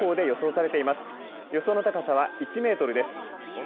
予想の高さは１メートルです。